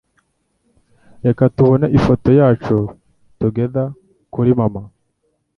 Reka tubone ifoto yacu togehter kuri mama.